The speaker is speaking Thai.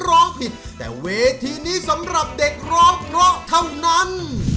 ร้องผิดแต่เวทีนี้สำหรับเด็กร้องเพราะเท่านั้น